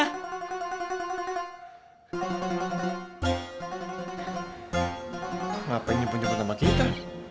kenapa ingin nyebut nama kita